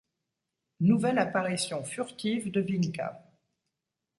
Nouvelle apparition furtive de Vynka.